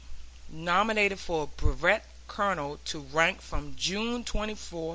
(Nominated for brevet colonel, to rank from June 24, 1898.)